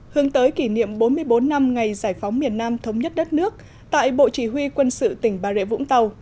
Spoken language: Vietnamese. hướng tới kỷ niệm bốn mươi bốn năm ngày giải phóng miền nam thống nhất đất nước tại bộ chỉ huy quân sự tỉnh bà rịa vũng tàu